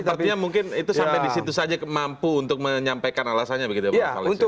sepertinya mungkin itu sampai di situ saja mampu untuk menyampaikan alasannya begitu